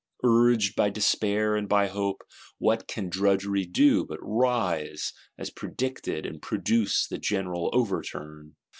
Urged by despair and by hope, what can Drudgery do, but rise, as predicted, and produce the General Overturn?